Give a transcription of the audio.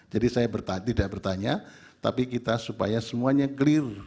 jadi saya tidak bertanya tapi kita supaya semuanya clear